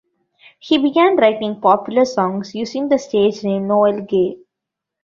He began writing popular songs, using the stage name Noel Gay.